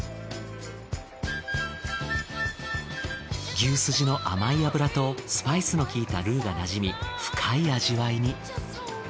牛スジの甘い脂とスパイスの効いたルーがなじみ深い味わいに。